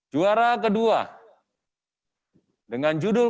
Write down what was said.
juara kedua dengan judul